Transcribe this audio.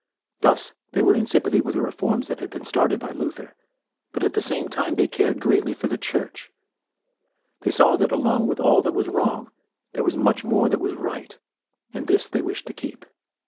Thus they were in sympathy with the reforms which had been started by Luther. But, at the same time, they cared greatly for the Church. They saw that along with all that was wrong, there was much more that was right. And this they wished to keep.